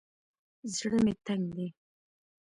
زړه مې تنګ دى.